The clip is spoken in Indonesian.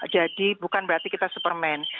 jadi bukan berarti kita superman